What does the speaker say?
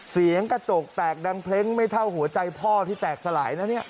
เสียงกระจกแตกดังเพล้งไม่เท่าหัวใจพ่อที่แตกสลายนะเนี่ย